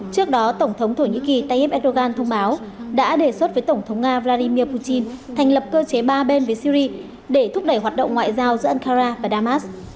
trước đó tổng thống thổ nhĩ kỳ tayyip erdogan thông báo đã đề xuất với tổng thống nga vladimir putin thành lập cơ chế ba bên với syri để thúc đẩy hoạt động ngoại giao giữa ankara và damas